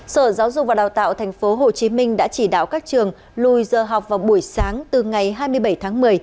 sở giáo dục và đào tạo tp hcm đã chỉ đạo các trường lùi giờ học vào buổi sáng từ ngày hai mươi bảy tháng một mươi